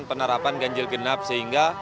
penerapan ganjil genap sehingga